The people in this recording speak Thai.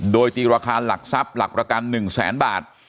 โดยตีราคาหลักทรัพย์หลักประกัน๑แสนบาท